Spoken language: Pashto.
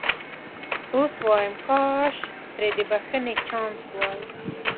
اوس وایم کاش ترې د بخښنې چانس وای.